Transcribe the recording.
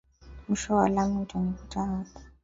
Mwisho wa lami, utanikuta hapo.